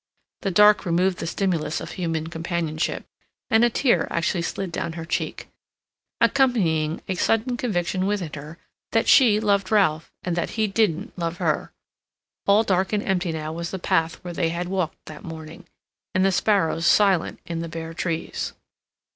The dark removed the stimulus of human companionship, and a tear actually slid down her cheek, accompanying a sudden conviction within her that she loved Ralph, and that he didn't love her. All dark and empty now was the path where they had walked that morning, and the sparrows silent in the bare trees.